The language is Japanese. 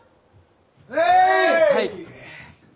はい。